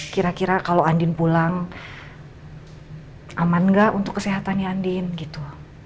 kira kira kalau andin pulang aman nggak untuk kesehatan ya andin gitu